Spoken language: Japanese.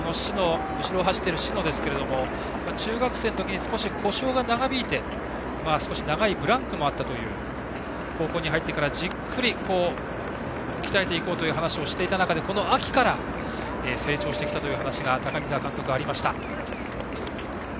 後ろを走っている篠ですけども中学生の時に故障が長引いて少し長いブランクもあって高校に入ってから、じっくり鍛えていこうという話をしていた中でこの秋から成長してきたという話が高見澤監督からありました。